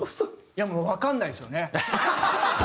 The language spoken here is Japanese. いやもうわかんないですよね。